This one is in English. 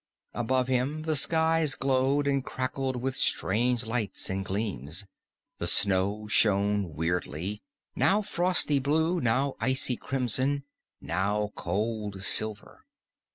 Above him the skies glowed and crackled with strange lights and gleams. The snow shone weirdly, now frosty blue, now icy crimson, now cold silver.